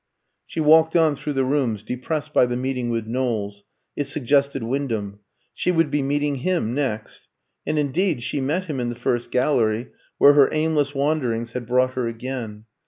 She walked on through the rooms, depressed by the meeting with Knowles it suggested Wyndham. She would be meeting him next. And indeed she met him in the first gallery, where her aimless wanderings had brought her again.